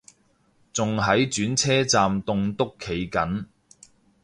仲喺轉車站棟篤企緊